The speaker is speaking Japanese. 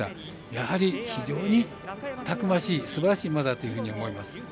やはり、非常にたくましいすばらしい馬だというふうに思います。